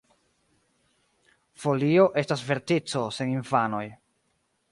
Folio estas vertico sen infanoj.